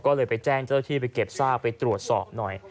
ก็เลยไปแจ้งเจ้าที่ไปเก็บซากไปตรวจสอบหน่อย